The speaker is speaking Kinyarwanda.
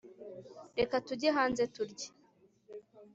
reka tujye hanze turye